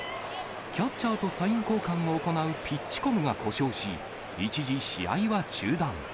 キャッチャーとサイン交換を行うピッチコムが故障し、一時、試合は中断。